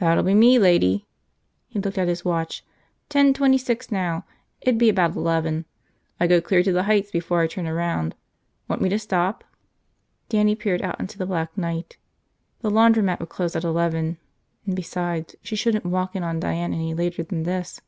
"That'll be me, lady." He looked at his watch. "Ten twenty six now. It'd be about eleven. I go clear to the Heights before I turn around. Want me to stop?" Dannie peered out into the black night. The laundromat would close at eleven. And besides, she shouldn't walk in on Diane any later than this.